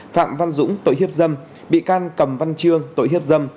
phạm văn dũng tội hiếp dâm bị can cầm văn trương tội hiếp dâm